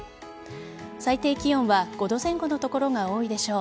最低気温は５度前後の所が多いでしょう。